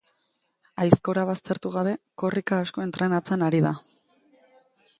Aizkora baztertu gabe, korrika asko entrenatzen ari da.